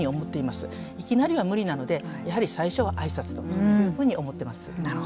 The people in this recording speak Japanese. いきなりは無理なのでやはり最初は挨拶というふうに思ってます。